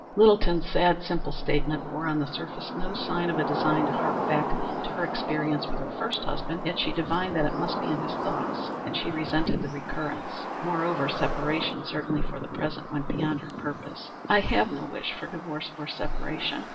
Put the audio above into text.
Littleton's sad, simple statement wore on the surface no sign of a design to hark back to her experience with her first husband, yet she divined that it must be in his thoughts and she resented the recurrence. Moreover, separation, certainly for the present, went beyond her purpose. "I have no wish for divorce or separation.